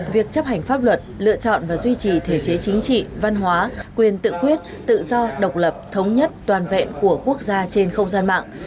việc chấp hành pháp luật lựa chọn và duy trì thể chế chính trị văn hóa quyền tự quyết tự do độc lập thống nhất toàn vẹn của quốc gia trên không gian mạng